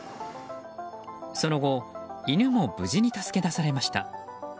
その後、犬も無事に助け出されました。